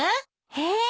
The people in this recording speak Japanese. え？